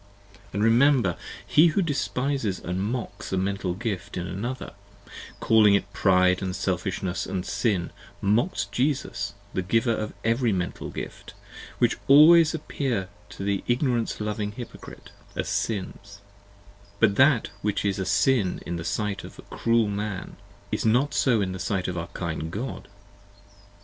And remember: 92 He who despises & mocks a Mental Gift in another, calling it pride & selfish ness & sin, mocks Jesus the giver of every Mental Gift, which always appear to the ignorance loving Hypocrite, as Sins: but that which is a Sin in the sight of cruel Man, is not so in the sight of our kind God.